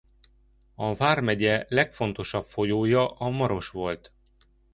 A vármegye legfontosabb folyója a Maros volt.